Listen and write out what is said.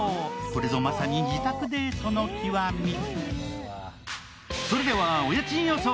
これぞまさに自宅デートの極み。